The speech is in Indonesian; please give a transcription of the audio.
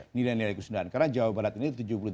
ini adalah nilai kesundaan karena jawa barat ini